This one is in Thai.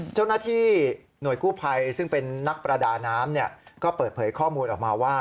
เจ้าหน้าที่หน่วยกู้ภัยซึ่งเป็นนักประดาน้ำก็เปิดเผยข้อมูลออกมาว่า